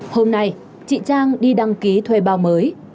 hôm nay chị trang đi đăng ký thuê bao mới